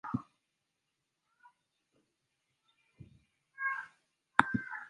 Pia Jimbo moja la uchaguzi, Tharaka.